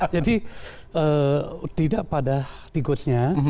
jadi tidak pada tikusnya